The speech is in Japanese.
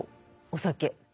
お酒。